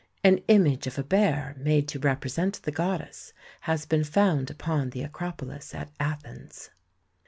An image of a bear made to represent the goddess has been found upon the Acropolis at Athens.